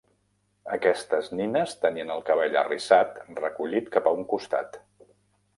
Aquestes nines tenien el cabell arrissat recollit cap un costat.